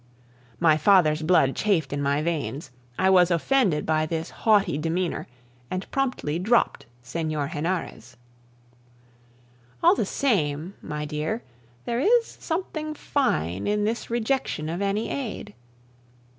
My father's blood chafed in my veins. I was offended by this haughty demeanor, and promptly dropped Senor Henarez. All the same, my dear, there is something fine in this rejection of any aid.